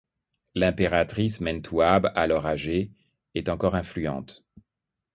L’impératrice Méntouab, alors âgée, est encore influente.